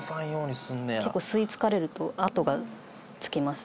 結構吸い付かれると痕が付きますね。